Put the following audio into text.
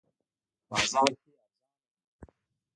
بازار کې ارزانه وی